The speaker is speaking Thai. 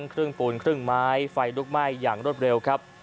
ครึ่งปูนครึ่งไม้ไฟลุกไหม้อย่างรวดเร็วครับ